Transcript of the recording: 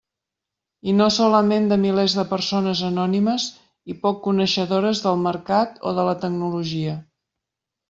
I no solament de milers de persones anònimes i poc coneixedores del mercat o de la tecnologia.